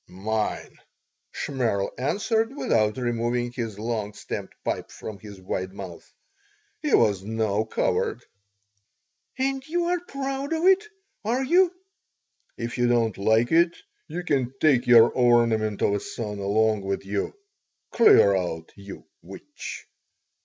"Mine," Shmerl answered, without removing his long stemmed pipe from his wide mouth. He was no coward "And you are proud of it, are you?" "If you don't like it you can take your ornament of a son along with you. Clear out, you witch!"